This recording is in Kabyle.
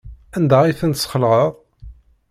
Anda ay ten-tesxelɛeḍ?